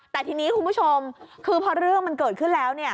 แต่ทีนี้คุณผู้ชมคือพอเรื่องมันเกิดขึ้นแล้วเนี่ย